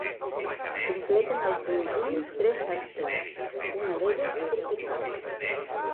Completen el conjunt tres ascles, una d’elles corticals.